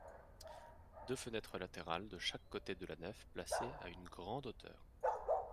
Deux fenêtres latérales de chaque côté de la nef placées à une grande hauteur.